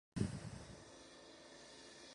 Conde de Bulnes.